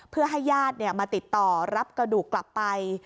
เพื่อให้ญาติมาติดต่อรับกระดูกกลับไป